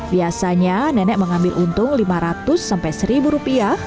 biasanya nenek mengambil untung lima ratus sampai seribu rupiah